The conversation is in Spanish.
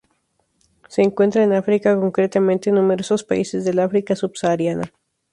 Se encuentra en África, concretamente en numerosos países del África Subsahariana.